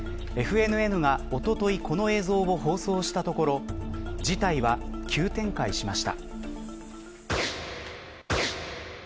ＦＮＮがおととい、この映像を放送したところ事態は急展開しました。